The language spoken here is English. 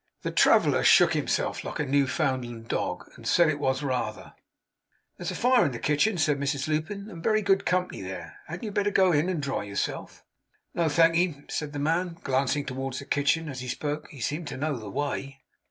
The traveller shook himself like a Newfoundland dog, and said it was, rather. 'There's a fire in the kitchen,' said Mrs Lupin, 'and very good company there. Hadn't you better go and dry yourself?' 'No, thankee,' said the man, glancing towards the kitchen as he spoke; he seemed to know the way.